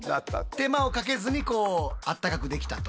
手間をかけずにこうあったかくできたと。